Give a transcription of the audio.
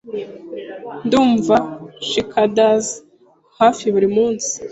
Ndumva cicadas hafi buri munsi.